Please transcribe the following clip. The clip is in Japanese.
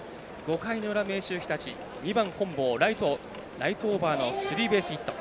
５回の裏、明秀日立２番、本坊ライトオーバーのスリーベースヒット。